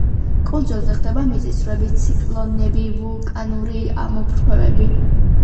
კუნძულზე ხდება მიწისძვრები, ციკლონები, ვულკანური ამოფრქვევები.